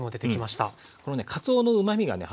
このねかつおのうまみがね入るとね